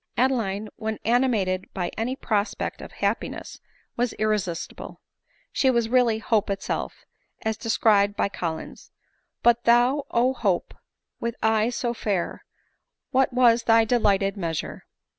Adeline, when animated by any prospect of happiness, was irresistible ; she was really Hope herself, as de scribed by Collins— " But thou, oh Hope ! with eyes bo fair, What was thy delighted measure